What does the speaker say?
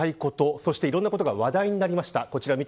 そしていろいろなことが話題になりました。